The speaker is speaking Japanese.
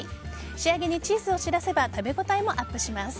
仕上げにチーズを散らせば食べ応えもアップします。